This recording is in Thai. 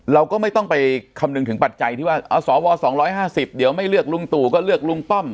เราก็ไม่ต้องไปคำนึงถึงปัจจัยที่ว่าสว๒๕๐เดี๋ยวไม่เลือกลุงตู่ก็เลือกลุงป้อม